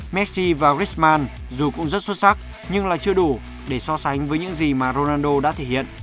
messee và risman dù cũng rất xuất sắc nhưng là chưa đủ để so sánh với những gì mà ronaldo đã thể hiện